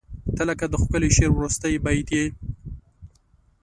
• ته لکه د ښکلي شعر وروستی بیت یې.